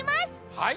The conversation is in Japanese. はい。